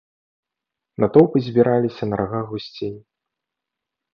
Натоўпы збіраліся на рагах гусцей.